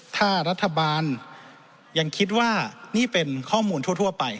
ถ้ารัฐบาลยังคิดว่านี่เป็นข้อมูลทั่วไป